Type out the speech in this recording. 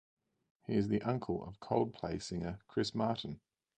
He is the uncle of Coldplay singer Chris Martin.